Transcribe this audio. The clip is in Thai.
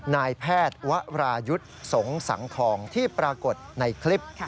นายแพทย์วรายุทธ์สงสังทองที่ปรากฏในคลิป